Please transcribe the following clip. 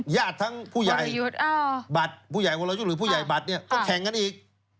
ญาติทั้งผู้ใหญ่บัตรผู้ใหญ่วรยุทธ์หรือผู้ใหญ่บัตรเนี่ยก็แข่งกันอีก